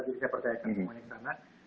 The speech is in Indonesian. jadi saya percaya ke banyak sana